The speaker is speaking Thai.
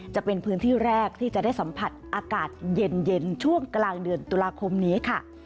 จะเป็นพื้นที่แรกที่จะได้สัมผัสอากาศเย็นช่วงกลางเดือนตุลาคมนี้ค่ะ